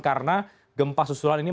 karena gempa susulan ini